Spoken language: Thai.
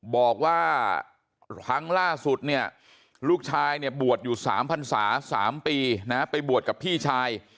บอกว่าครั้งล่าสุดเนี่ยลูกชายเนี่ยบวชอยู่๓พันศา๓ปีนะไปบวชกับพี่ชาย